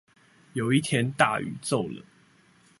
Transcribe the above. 有一天大雨驟冷